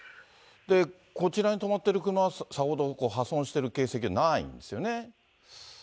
こちらに止まっている車は、さほど破損している形跡はないんですよね。